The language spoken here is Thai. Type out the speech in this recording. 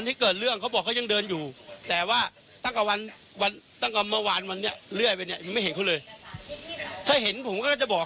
แล้วก็เดินมาเราก็บอก